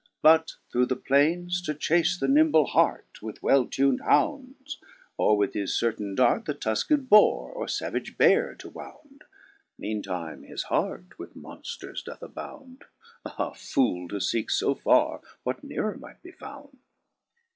But through the plaines to chace the nimble hart With well tun'd hounds ; or with his certaine dart The tuflced boare or favage beare to wound : Meane time his heart with monfters doth abound ; Ah, Foole! to feeke fo farre what neerer might be found.